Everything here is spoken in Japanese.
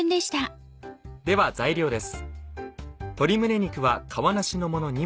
では材料です。